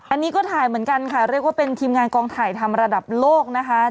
อันนี้ก็ถ่ายเหมือนกันค่ะเรียกว่าเป็นทีมงานกองถ่ายทำระดับโลกนะคะ